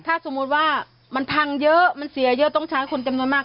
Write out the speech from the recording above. ถ้าสมมุติว่ามันพังเยอะมันเสียเยอะต้องใช้คนจำนวนมาก